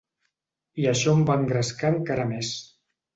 I això em va engrescar encara més.